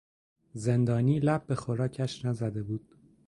زندانی لب به خوراکش نزده بود.